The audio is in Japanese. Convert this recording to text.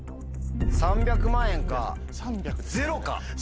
３００万円かゼロか。